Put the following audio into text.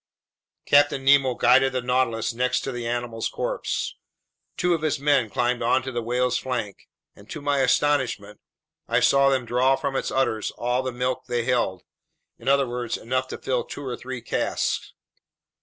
Captain Nemo guided the Nautilus next to the animal's corpse. Two of his men climbed onto the whale's flank, and to my astonishment, I saw them draw from its udders all the milk they held, in other words, enough to fill two or three casks.